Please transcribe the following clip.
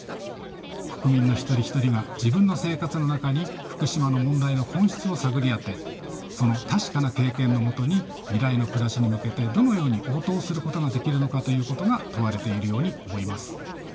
国民の一人一人が自分の生活の中に福島の問題の本質を探り当てその確かな経験のもとに未来の暮らしに向けてどのように応答することができるのかということが問われているように思います。